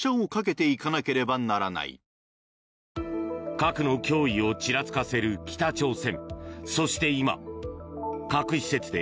核の脅威をちらつかせる北朝鮮。